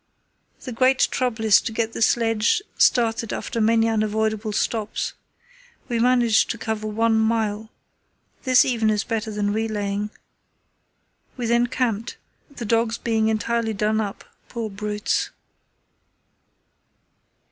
The great trouble is to get the sledge started after the many unavoidable stops. We managed to cover one mile. This even is better than relaying. We then camped—the dogs being entirely done up, poor brutes.